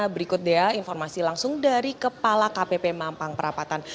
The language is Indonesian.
berikut dea informasi langsung dari kepala kpp mampang perapatan